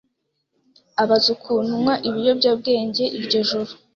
abaza ukuntu nywa ibiyobyabwenge iryo joro